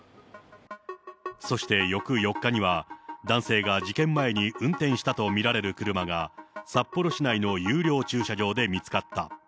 そして翌４日には、男性が事件前に運転したと見られる車が、札幌市内の有料駐車場で見つかった。